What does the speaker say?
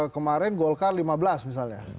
kemarin golkar lima belas misalnya